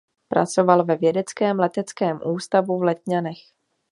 Pracoval ve Vědeckém leteckém ústavu v Letňanech.